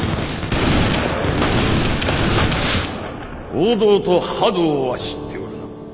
王道と覇道は知っておるな。